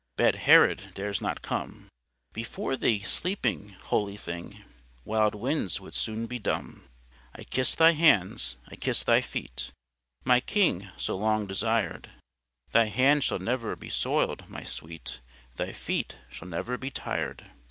Bad Herod dares not come; Before Thee, sleeping, holy thing, Wild winds would soon be dumb. "'I kiss Thy hands, I kiss Thy feet, My King, so long desired; Thy hands shall never be soil'd, my sweet, Thy feet shall never be tired.